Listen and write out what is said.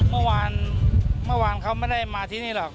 เมื่อวานเขาไม่ได้มาที่นี่หรอก